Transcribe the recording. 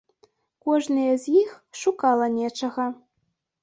Кожная з іх шукала нечага.